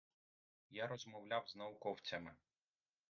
Я розмовляв з науковцями.